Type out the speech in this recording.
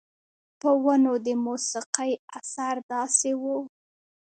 پۀ ونو د موسيقۍ اثر داسې وو